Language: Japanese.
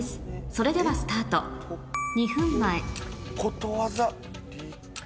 それではスタート２分前ことわざ。